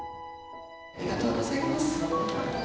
ありがとうございます。